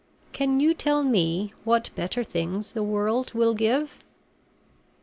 Can you tell me what better things the world will give?"